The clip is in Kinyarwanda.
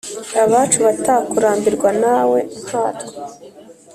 abacu, batakurambirwa nawe nkatwe